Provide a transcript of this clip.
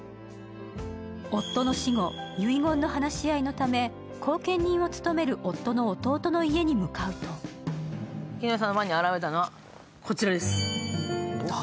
夫の死後、遺言の話し合いのため、後見人を務める夫の弟の家に向かうと絹代さんの前に現れたのはこちらです。